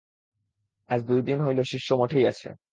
আজ দুই দিন হইল শিষ্য মঠেই আছে।